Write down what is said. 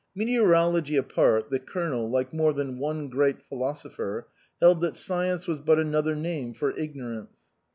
Meteorology apart, the Colonel, like more than one great philosopher, held that science was but another name for ignorance.